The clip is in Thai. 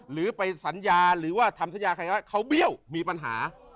หรือไปสัญญาหรือว่าทำสัญญาใครว่าเขาเบี้ยวมีปัญหา